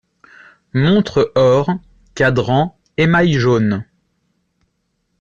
montre or, cadran émail jaune.